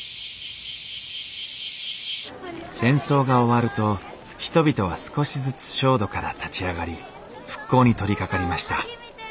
戦争が終わると人々は少しずつ焦土から立ち上がり復興に取りかかりました。